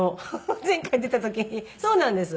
前回出た時にそうなんです。